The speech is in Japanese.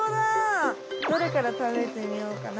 どれからたべてみようかな？